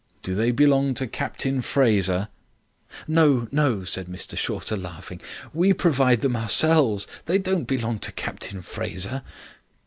Do they belong to Captain Fraser?" "No, no," said Mr Shorter, laughing, "we provide them ourselves. They don't belong to Captain Fraser."